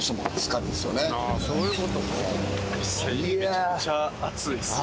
めっちゃ暑いっすね。